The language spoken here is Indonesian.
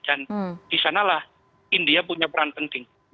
disanalah india punya peran penting